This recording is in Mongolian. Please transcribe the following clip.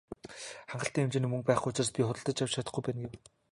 "Хангалттай хэмжээний мөнгө байхгүй учраас би худалдаж авч чадахгүй байна" гэв.